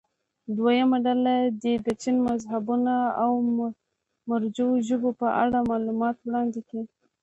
دویمه ډله دې د چین مذهبونو او مروجو ژبو په اړه معلومات وړاندې کړي.